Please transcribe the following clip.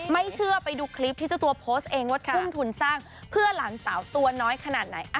ไม่เชื่อไปดูคลิปที่เจ้าตัวโพสต์เองว่าทุ่มทุนสร้างเพื่อหลานสาวตัวน้อยขนาดไหน